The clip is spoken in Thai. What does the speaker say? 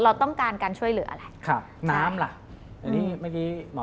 เราต้องการการช่วยเหลืออะไร